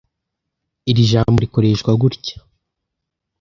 Iri jambo rikoreshwa gutya.